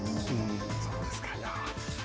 そうですか。